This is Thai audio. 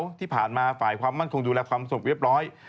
หลวดเขาที่ผ่านมาฝ่ายความมั่นคงดูแลความสมบูรณ์เรียบร้อย